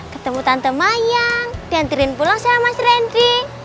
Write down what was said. ketemu tante mayang diantirin pulang sama mas rendy